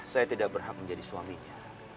saya tidak berhak menjadi suaminya